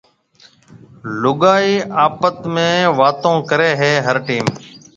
لُگائيَ آپت ۾ واتون ڪريَ هيَ هر ٽيم۔